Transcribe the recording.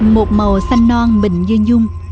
một màu xanh non bình như nhung